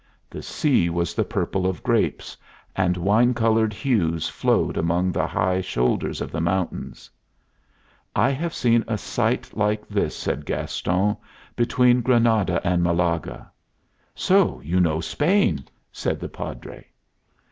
The sea was the purple of grapes, and wine colored hues flowed among the high shoulders of the mountains. "I have seen a sight like this," said Gaston, "between Granada and Malaga." "So you know Spain!" said the Padre.